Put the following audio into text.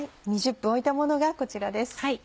２０分置いたものがこちらです。